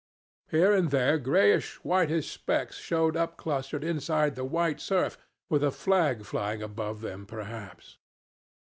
Here and there grayish whitish specks showed up, clustered inside the white surf, with a flag flying above them perhaps.